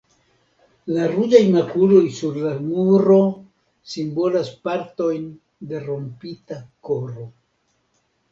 La ruĝaj makuloj sur la muro simbolas partojn de rompita koro.